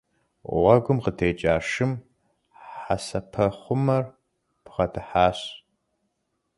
Гъуэгум къытекӀа шым хьэсэпэхъумэр бгъэдыхьащ.